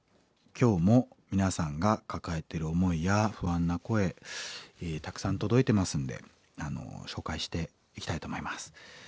今日も皆さんが抱えてる思いや不安な声たくさん届いてますんで紹介していきたいと思います。